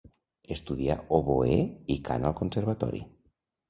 Estudià oboè i cant al conservatori.